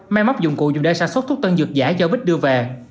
may móc dụng cụ dùng để sản xuất thuốc tân dược giả do bích đưa về